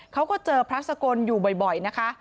เขาก็เจอพระสกลอยู่บ่อยนะคะ